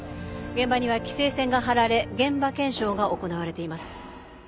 現場には規制線が張られ現場検証が行われています。